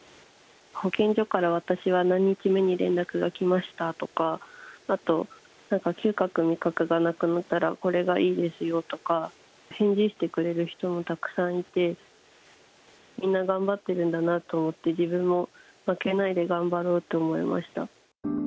保健所から、私は何日目に連絡が来ましたとか、あと、嗅覚、味覚がなくなったら、これがいいですよとか、返事してくれる人もたくさんいて、みんな頑張ってるんだなと思って、自分も負けないで頑張ろうって思いました。